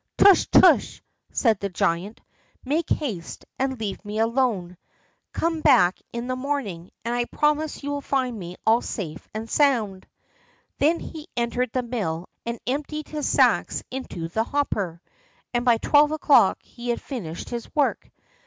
"Tush, tush!" said the giant. "Make haste and leave me alone. Come back in the morning, and I promise you will find me all safe and sound." Then he entered the mill and emptied his sacks into the hopper, and by twelve o'clock he had finished his work.